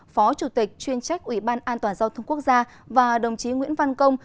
phó chủ tịch chuyên trách ủy ban an toàn giao thông quốc gia và đồng chí nguyễn văn công